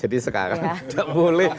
jadi sekarang gak boleh